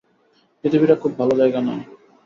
পৃথিবীটা খুব ভালো জায়গা নয়।